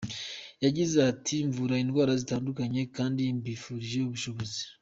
Yagize ati “mvura indwara zitandukanye kandi mbifitiye ubushobozi.